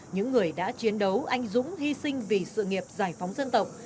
những người đã chiến đấu anh dũng hy sinh vì sự nghiệp giải phóng dân tộc